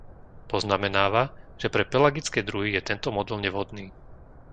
Poznamenáva, že pre pelagické druhy je tento model nevhodný.